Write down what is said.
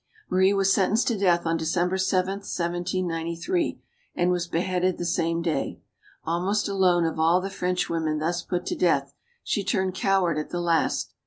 '* Marie was sentenced to death, on December 7, 1 793, and was beheaded the same day. Almost alone of all the Frenchwomen thus put to death, she turned coward at the last.